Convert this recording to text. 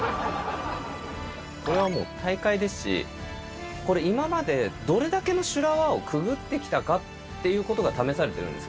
これはもう大会ですし、これ、今までどれだけの修羅場をくぐってきたかということが、試されてるんです。